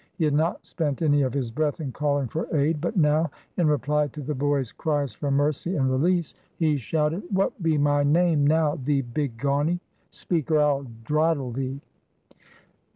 He had not spent any of his breath in calling for aid, but now, in reply to the boy's cries for mercy and release, he shouted, "What be my name, now, thee big gawney? Speak, or I'll drottle 'ee."